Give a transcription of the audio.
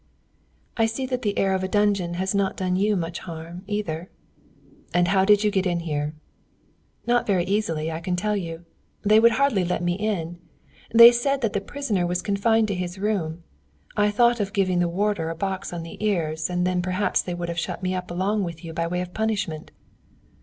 "I see that the air of a dungeon has not done you much harm, either." "And how did you get in here?" "Not very easily, I can tell you. They would hardly let me in. They said that the prisoner was confined to his room. I thought of giving the warder a box on the ears, and then perhaps they would have shut me up along with you by way of punishment."